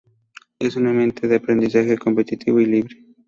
Es un ambiente de aprendizaje competitivo y libre.